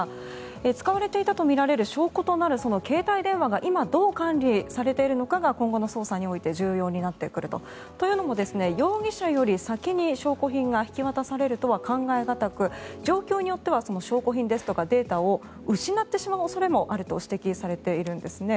使われていたとみられる証拠となる携帯電話が今、どう管理されているのかが今後の捜査において重要になってくると。というのも容疑者より先に証拠品が引き渡されるとは考え難く状況によっては証拠品とかデータを失ってしまう恐れもあると指摘されているんですね。